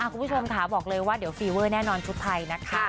คุณผู้ชมค่ะบอกเลยว่าเดี๋ยวฟีเวอร์แน่นอนชุดไทยนะคะ